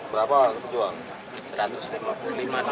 berapa itu jual